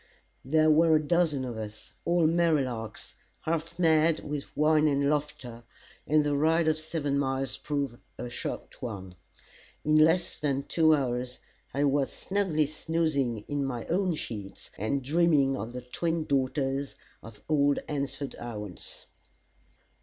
There were a dozen of us, all merry larks, half mad with wine and laughter, and the ride of seven miles proved a short one. In less than two hours, I was snugly snoozing in my own sheets, and dreaming of the twin daughters of old Hansford Owens.